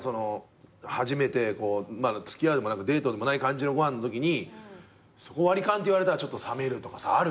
初めてまだ付き合うでもなくデートでもない感じのご飯のときにそこ割り勘って言われたらちょっと冷めるとかさ。